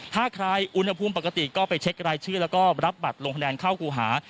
ถ้าใครอุณหภูมิปกติก็ไปเช็ครายชื่อแล้วก็รับบัตรลงคะแนนเข้าครูหา